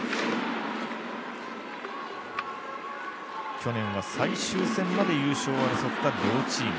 去年は最終戦まで優勝を争った両チーム。